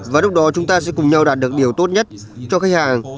và lúc đó chúng ta sẽ cùng nhau đạt được điều tốt nhất cho khách hàng